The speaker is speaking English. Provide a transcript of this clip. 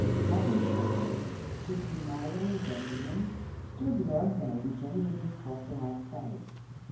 Half in shadow, between Marian and Gwendolen, stood Lord Barrington with his hawk like face.